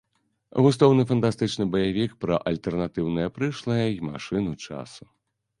Густоўны фантастычны баявік пра альтэрнатыўнае прышлае й машыну часу.